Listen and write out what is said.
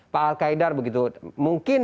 pak alkaidar begitu mungkin